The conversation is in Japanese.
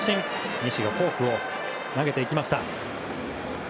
西がフォークを投げていきました。